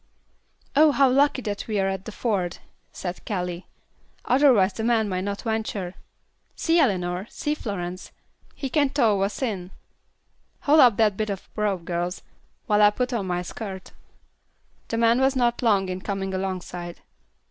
"Oh, how lucky that we're at the ford," said Callie, "otherwise the man might not venture. See, Eleanor! See, Florence, he can tow us in. Haul up that bit of rope, girls, while I put on my skirt." The man was not long in coming alongside.